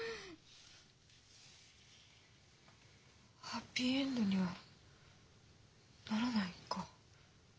ハッピーエンドにはならないか。え？